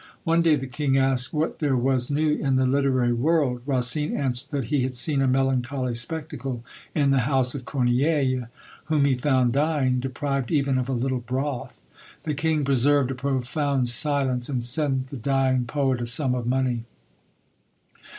One day the king asked what there was new in the literary world. Racine answered, that he had seen a melancholy spectacle in the house of Corneille, whom he found dying, deprived even of a little broth! The king preserved a profound silence; and sent the dying poet a sum of money.